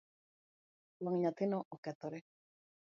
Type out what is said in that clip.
Wang nyathino okethore .